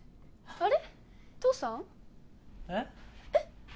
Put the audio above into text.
あれ！